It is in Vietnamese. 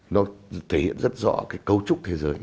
nó thể hiện rất rõ cái cấu trúc thế giới